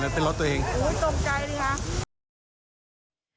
แล้วตกใจไหมครับเห็นเป็นรถตัวเอง